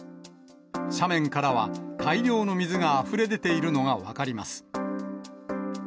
斜面からは大量の水があふれ出ているのが分かります。